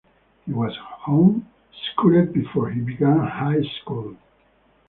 He was home schooled before he began high school.